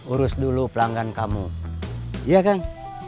urus dulu pelanggan kamu iya kang